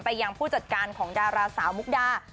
ยังผู้จัดการของดาราสาวมุกดา